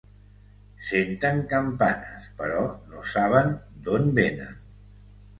Senten campanes però no saben d’on venen.